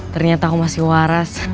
ternyata aku masih waras